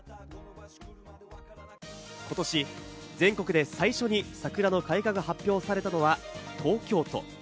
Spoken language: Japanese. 今年、全国で最初に桜の開花が発表されたのは東京都。